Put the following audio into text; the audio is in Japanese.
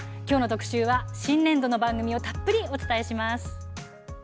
きょうの特集は、新年度の番組をたっぷりお伝えします。